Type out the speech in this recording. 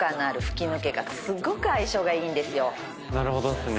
なるほどっすね。